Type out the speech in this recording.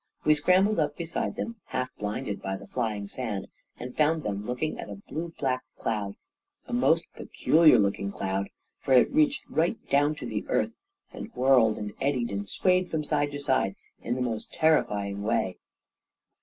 We scrambled up beside them, half blinded by the flying sand, and found them look ing at a blue black cloud — a most peculiar looking cloud, for it reached right down to the earth, and A KING IN BABYLON 165 whirled and eddied and swayed from side to side in the most terrifying way.